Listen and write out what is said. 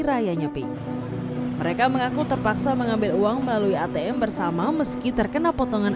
raya nyepi mereka mengaku terpaksa mengambil uang melalui atm bersama meski terkena potongan